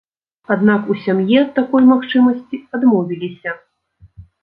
Аднак у сям'і ад такой магчымасці адмовіліся.